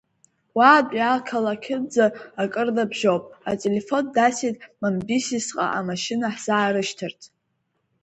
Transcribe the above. Уаантәи ақалақьынӡа акыр набжьоуп, ателефон дасит Мамбисис-ҟа амашьына ҳзаарышьҭырц.